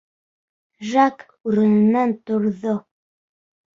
Жак урынынан торҙо.